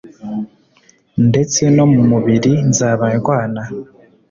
Ndetse no mu mubiri nzaba ndwana.